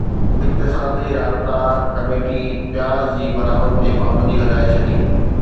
اقتصادي رابطا ڪميٽي پياز جي برآمد تي پابندي لڳائي ڇڏي